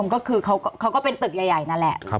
มีความรู้สึกว่ามีความรู้สึกว่ามีความรู้สึกว่า